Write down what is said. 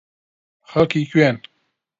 خەڵکی کوێن؟